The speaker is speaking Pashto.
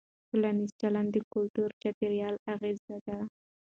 ټولنیز چلند د کلتوري چاپېریال اغېز دی.